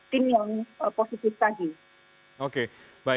tim yang positif tadi